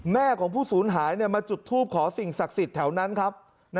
แม่ของผู้สูญหายมาจุดทูปขอสิ่งศักดิ์สิทธิ์แถวนั้นครับ